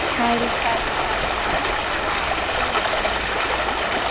Чари, чари, чари-рама, ауаа амхы ларҵоны!